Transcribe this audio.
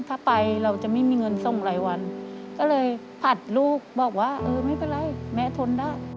ถ้าไปเราจะไม่มีเงินส่งหลายวัน